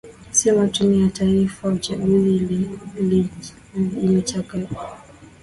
sema tume ya taifa ya uchaguzi imechakachuwa